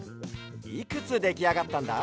いくつできあがったんだ？